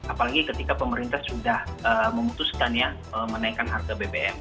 apalagi ketika pemerintah sudah memutuskan ya menaikkan harga bbm